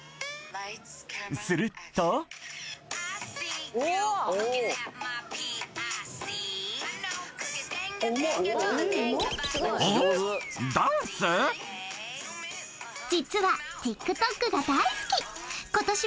すると実はＴｉｋＴｏｋが大好き今年